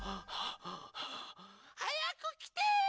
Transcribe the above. はやくきて！